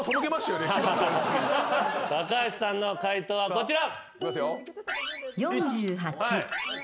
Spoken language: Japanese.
高橋さんの解答はこちら。